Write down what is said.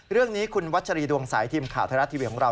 เรื่องนี้คุณวัชรีดวงสายทีมข่าวไทยรัฐทีวีของเรา